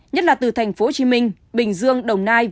nhất là từ tp hcm bình dương đồng nai về tp hcm